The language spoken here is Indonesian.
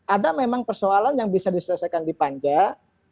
ada memang persoalan yang bisa diselesaikan di panjang